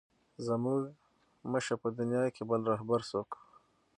زموږ مه شه په دنیا کې بل رهبر څوک.